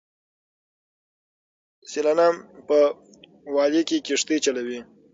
سیلانیان په ویاله کې کښتۍ چلوي.